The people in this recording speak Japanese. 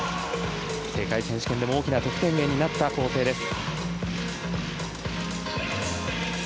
世界選手権でも大きな得点源になった構成です。